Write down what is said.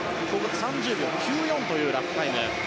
３０秒９４というラップタイム。